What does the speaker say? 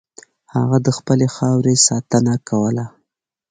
هغه د خپلې خاورې ساتنه کوله.